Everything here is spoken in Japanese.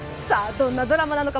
どんなドラマなのか。